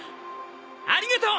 ありがとう！